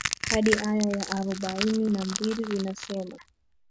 hadi aya ya arobaini na mbili inasema